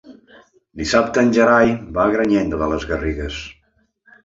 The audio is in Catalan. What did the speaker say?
Dissabte en Gerai va a Granyena de les Garrigues.